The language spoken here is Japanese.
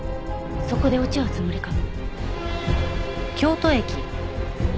そこで落ち合うつもりかも。